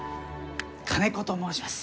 金子と申します。